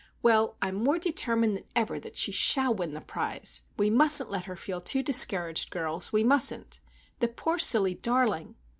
Well, I'm more determined than ever that she shall win the prize. We mustn't let her feel too discouraged, girls! we mustn't! The poor, silly darling!"